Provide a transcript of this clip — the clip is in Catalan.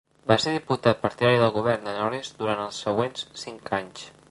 Va ser diputat partidari del govern de Norris durant els següents cinc anys.